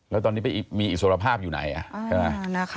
แล้วตอนนี้ไปมีอิสรภาพอยู่ไหน